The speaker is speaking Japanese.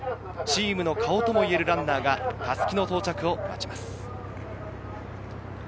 チームの顔ともいえるランナーが襷の到着を待ちます。